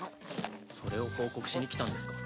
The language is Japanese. それを報告しに来たんですか。